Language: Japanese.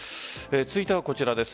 続いてはこちらです。